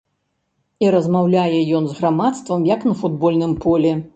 І размаўляе ён з грамадствам як на футбольным полі.